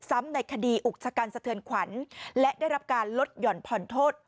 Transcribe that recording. ในคดีอุกชะกันสะเทือนขวัญและได้รับการลดหย่อนผ่อนโทษ